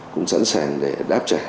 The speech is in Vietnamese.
cũng sẵn sàng để đáp trả